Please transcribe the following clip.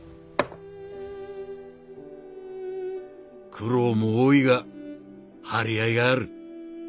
「苦労も多いが張り合いがある。